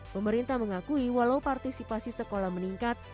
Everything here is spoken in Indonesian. pemerintah mengakui walau partisipasi sekolah meningkat